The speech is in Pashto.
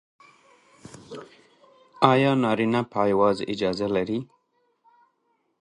ایا نارینه پایواز اجازه لري؟